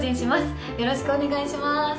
よろしくお願いします。